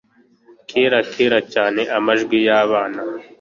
kera, kare cyane amajwi yabana